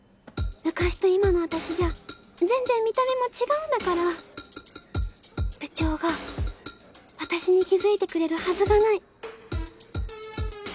昔と今の私じゃ全然見た目も違うんだから部長が私に気づいてくれるはずがない